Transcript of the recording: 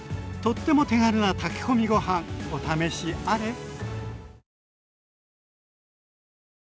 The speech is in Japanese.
とっても手軽な炊き込みご飯お試しあれ！